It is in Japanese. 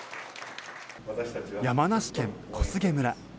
山梨県小菅村。